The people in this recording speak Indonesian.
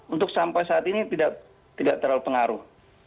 untuk sampai saat ini tidak terlalu pengaruh